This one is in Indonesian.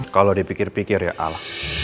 kalau dipikir pikir ya ah